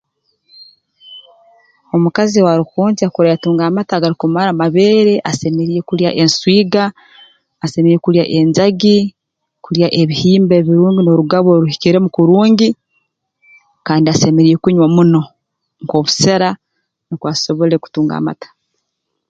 Omukazi owaarukwonkya kurora yatunga amata agarukumara mu mabeere asemeriire kulya enswiga asemeriire kulya enjagi kulya ebihimba ebirungi n'orugabu oruhikiremu kurungi kandi asemeriire kunywa muno nk'obusera nukwo asobole kutunga amata